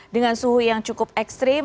dengan suhu yang cukup ekstrim